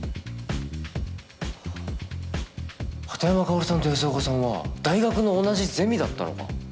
片山薫さんと安岡さんは大学の同じゼミだったのか。